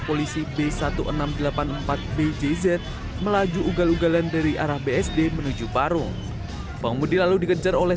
polisi b seribu enam ratus delapan puluh empat bjz melaju ugal ugalan dari arah bsd menuju parung pengemudi lalu dikejar oleh